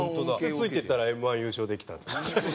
ついていったらＭ−１優勝できた。